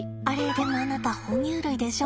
でもあなた哺乳類でしょ？